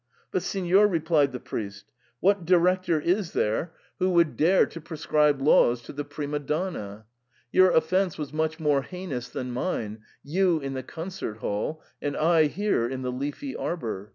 * But, signor,' re plied the priest, 'what director is there who would 56 THE PERM ATA. dare to prescribe laws to the prima donna ? Your of fence was much more heinous than mine, you in the concert hall, and I here in the leafy arbour.